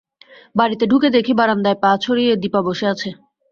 বাড়িতে ঢুকে দেখি বারান্দায় পা ছড়িয়ে দিপা বসে আছে।